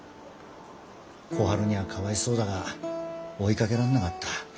小春にはかわいそうだが追いかけられなかった。